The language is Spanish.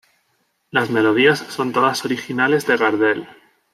Las melodías son todas originales de Gardel.